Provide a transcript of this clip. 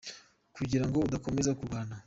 kugira ngo adakomeza kurwana